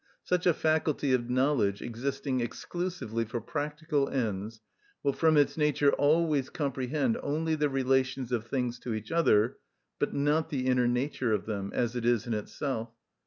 Such a faculty of knowledge, existing exclusively for practical ends, will from its nature always comprehend only the relations of things to each other, but not the inner nature of them, as it is in itself.